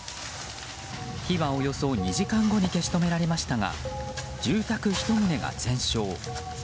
火はおよそ２時間後に消し止められましたが住宅１棟が全焼。